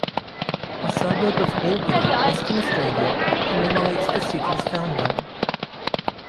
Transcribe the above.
A suburb of Albany, Western Australia, commemorates the city's founder.